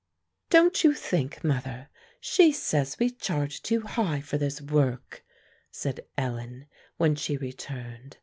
"Don't you think, mother, she says we charge too high for this work!" said Ellen, when she returned.